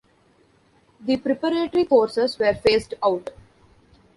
The preparatory courses were phased out.